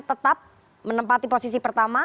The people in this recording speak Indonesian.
tetap menempati posisi pertama